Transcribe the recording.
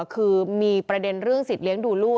คือมีประเด็นเรื่องสิทธิเลี้ยงดูลูก